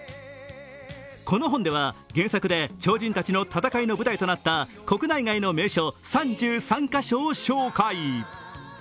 この本では原作で超人たちの戦いの舞台となった国内外の名所３３カ所を紹介。